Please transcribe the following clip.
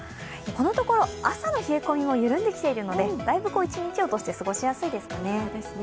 このところ朝の冷え込みも緩んできているのでだいぶ一日を通して過ごしやすいですね。